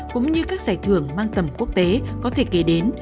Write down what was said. cũng như các giải thưởng mang tầm quốc tế có thể kể đến